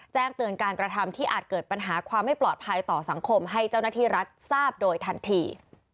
แจ้งเตือนการกระทำที่อาจเกิดปัญหาความไม่ปลอดภัยต่อสังคมให้เจ้าหน้าที่รัฐทราบโดยทันที